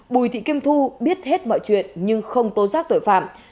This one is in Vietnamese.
bùi thị kim thu biết hết mọi chuyện nhưng không tố giác tội phạm